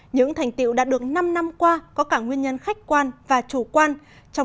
những thành tiệu đã được năm năm qua có cả nguyên nhân khách quan và chủ quan